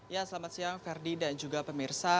ya selamat siang ferdi dan juga pemirsa